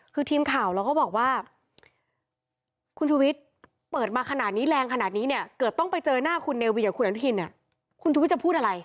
คือทีมข่าวเราก็บอกว่าคุณชูวิทย์เปิดมาขนาดนี้แรงขนาดนี้เนี่ยเกิดต้องไปเจอหน้าคุณเนวีกับคุณอนุทินเนี่ยคุณชุวิตจะพูดอะไร